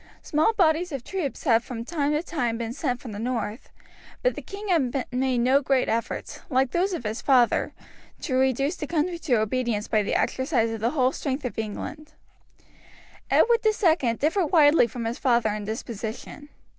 Small bodies of troops had from time to time been sent from the north; but the king had made no great efforts, like those of his father, to reduce the country to obedience by the exercise of the whole strength of England. Edward II differed widely from his father in disposition.